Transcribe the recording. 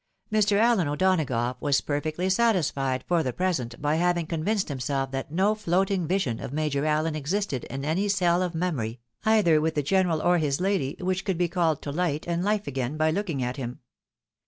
MISS PATTY IN A STATE OF BLISS. 129 Mr. Allen O'Donagough was perfectly satisfied for the present by having convinced himself that no floating vision of Major AUen existed in any cell of memory, either with the general or his lady, which could be called to light and hfe again by look ing at him.